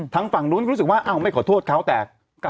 ทั้งฝั่งนู้นรู้สึกว่าไม่ขอโทษเขาแต่